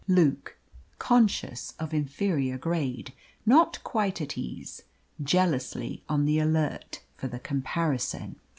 Luke, conscious of inferior grade, not quite at ease, jealously on the alert for the comparison.